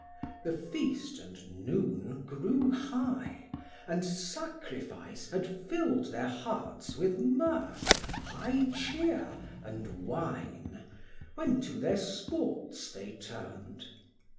The Feast and noon grew high, and Sacrifice Had fill'd thir hearts with mirth, high chear, & wine, When to thir sports they turn'd.